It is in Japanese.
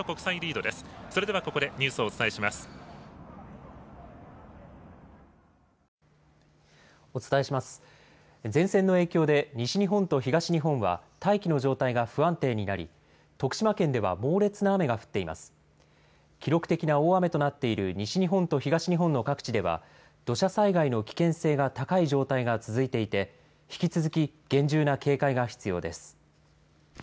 記録的な大雨となっている西日本と東日本の各地では土砂災害の危険性が高い状態が続いていて引き続き厳重な警戒が必要です。